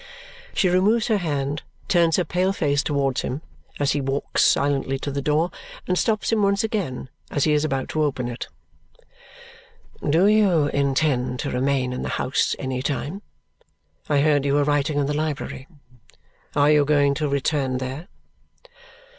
She removes her hand, turns her pale face towards him as he walks silently to the door, and stops him once again as he is about to open it. "Do you intend to remain in the house any time? I heard you were writing in the library. Are you going to return there?"